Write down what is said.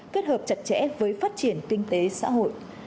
kết hợp chặt chẽ với phát triển kinh tế xã hội